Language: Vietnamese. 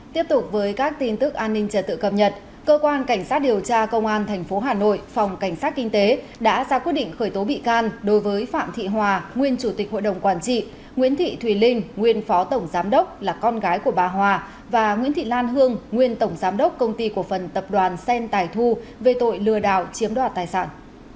tiếp tục với các tin tức an ninh trật tự cập nhật cơ quan cảnh sát điều tra công an tp hà nội phòng cảnh sát kinh tế đã ra quyết định khởi tố bị can đối với phạm thị hòa nguyên chủ tịch hội đồng quản trị nguyễn thị thùy linh nguyên phó tổng giám đốc là con gái của bà hòa và nguyễn thị lan hương nguyên tổng giám đốc công ty của phần tập đoàn sen tài thu về tội lừa đảo chiếm đoạt tài sản